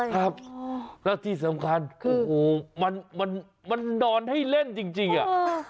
ครับแล้วที่สำคัญโอ้โหมันมันนอนให้เล่นจริงอ่ะ